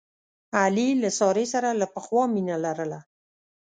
علي له سارې سره له پخوا مینه لرله.